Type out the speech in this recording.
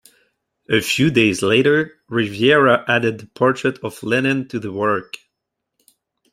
A few days later Rivera added the portrait of Lenin to the work.